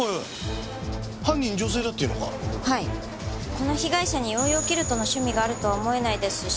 この被害者にヨーヨーキルトの趣味があるとは思えないですし。